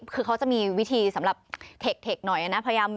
คือเขาจะมีวิธีสำหรับเทคหน่อยนะ